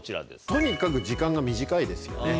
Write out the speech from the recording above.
とにかく時間が短いですよね。